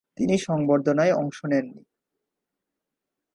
তিনি সংবর্ধনায় অংশ নেন নি।